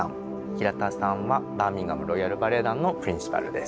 平田さんはバーミンガム・ロイヤル・バレエ団のプリンシパルです。